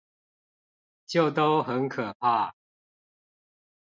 就都很可怕